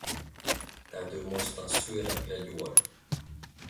Täytyy muistaa syödä ja juoda.